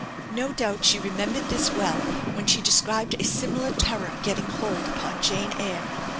No doubt she remembered this well when she described a similar terror getting hold upon Jane Eyre.